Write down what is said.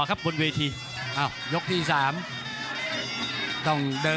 โหโหโหโหโหโหโหโหโหโหโห